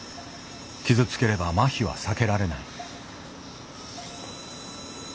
傷つければ麻痺は避けられない。